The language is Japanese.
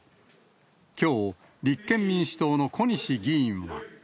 きょう、立憲民主党の小西議員は。